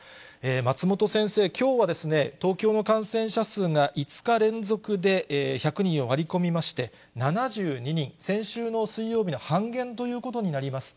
松本先生、きょうは東京の感染者数が５日連続で１００人を割り込みまして、７２人、先週の水曜日の半減ということになります。